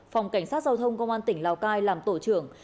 phòng cảnh sát giao thông công an tỉnh lào cai làm tổ trưởng